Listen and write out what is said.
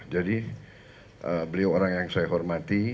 jadi beliau orang yang saya hormati